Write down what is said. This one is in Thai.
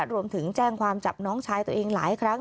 รวมถึงแจ้งความจับน้องชายตัวเองหลายครั้ง